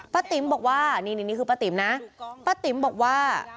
ติ๋มบอกว่านี่นี่คือป้าติ๋มนะป้าติ๋มบอกว่า